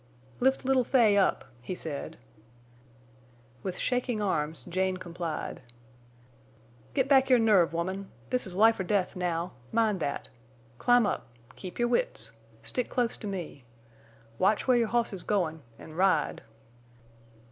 "Lift little Fay up," he said. With shaking arms Jane complied. "Get back your nerve, woman! This's life or death now. Mind that. Climb up! Keep your wits. Stick close to me. Watch where your hoss's goin' en' ride!"